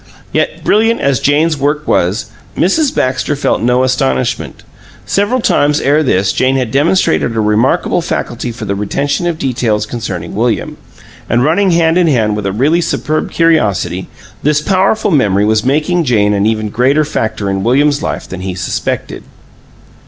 Yet, brilliant as Jane's work was, Mrs. Baxter felt no astonishment; several times ere this Jane had demonstrated a remarkable faculty for the retention of details concerning William. And running hand in hand with a really superb curiosity, this powerful memory was making Jane an even greater factor in William's life than he suspected.